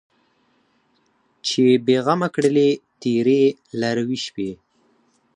چې بې غمه کړلې تېرې لاروي شپې